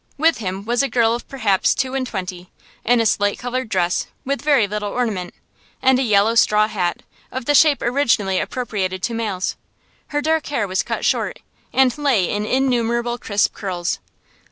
With him was a girl of perhaps two and twenty, in a slate coloured dress with very little ornament, and a yellow straw hat of the shape originally appropriated to males; her dark hair was cut short, and lay in innumerable crisp curls.